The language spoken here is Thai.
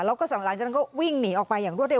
แล้วก็สองหลังจากนั้นก็วิ่งหนีออกไปอย่างรวดเร็